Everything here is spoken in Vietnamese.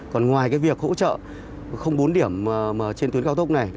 còn ngoài việc hỗ trợ bốn điểm trên tuyến cao tốc này